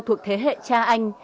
thuộc thế hệ cha anh